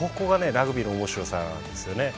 ラグビーの面白さなんですよね。